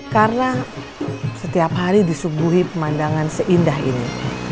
karena setiap hari disubuhi pemandangan seindah ini